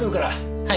はい。